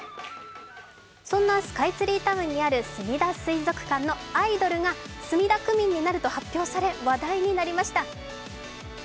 そんなスカイツリータウンにあるすみだ水族館のアイドルが墨田区民になると発表され話題になりました。